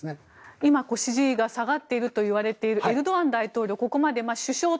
今、支持が下がっているといわれているエルドアン大統領